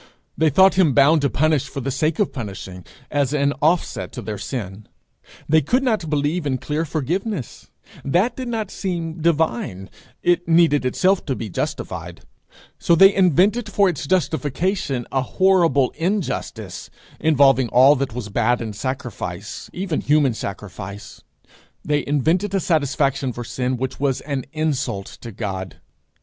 They thought him bound to punish for the sake of punishing, as an offset to their sin; they could not believe in clear forgiveness; that did not seem divine; it needed itself to be justified; so they invented for its justification a horrible injustice, involving all that was bad in sacrifice, even human sacrifice. They invented a satisfaction for sin which was an insult to God.